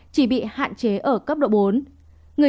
chỉ bị hạn chế ở cấp độ bốn